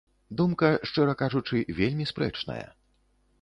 Думка, шчыра кажучы, вельмі спрэчная.